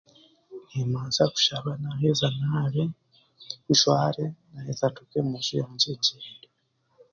Nimbanza kushaba naaheza naabe njware naaheza nze omunju yangye gye